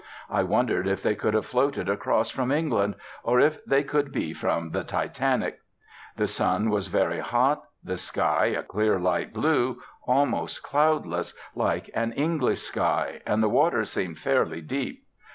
I wondered if they could have floated across from England, or if they could be from the Titanic. The sun was very hot, the sky a clear light blue, almost cloudless, like an English sky, and the water seemed fairly deep.